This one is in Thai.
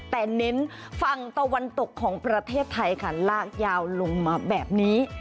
แต่เน้นฝั่งตะวันตกของประเทศไทยค่ะลากยาวลงมาแบบนี้